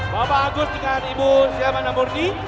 bapak agus dengan ibu syamana murni